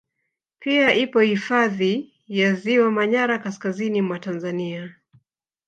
Pia ipo hifadhi ya Ziwa manyara kaskazini mwa Tanzania